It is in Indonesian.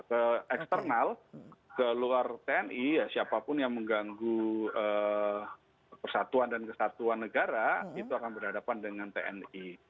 ke eksternal ke luar tni siapapun yang mengganggu persatuan dan kesatuan negara itu akan berhadapan dengan tni